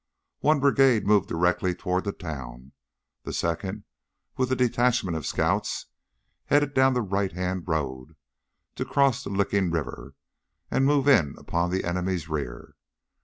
One brigade moved directly toward the town; the second with a detachment of scouts headed down the right hand road to cross the Licking River and move in upon the enemies' rear.